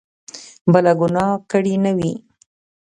بله ګناه کړې نه وي.